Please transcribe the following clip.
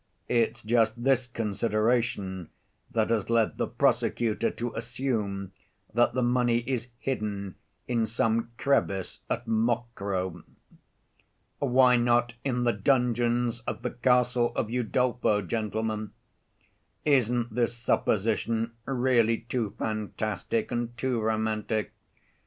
It's just this consideration that has led the prosecutor to assume that the money is hidden in some crevice at Mokroe. Why not in the dungeons of the castle of Udolpho, gentlemen? Isn't this supposition really too fantastic and too romantic?